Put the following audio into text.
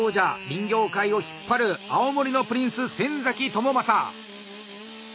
林業界を引っ張る青森のプリンス・先倫正。